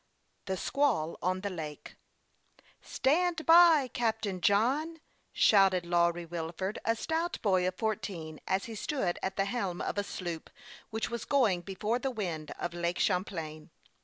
THE SQUALL ON THE LAKE. " STAND by, Captain John !" shouted Lawry Wilford, a stout boy of fourteen, as he stood at the helm of a sloop, which was going before the wind up Lake Champlain.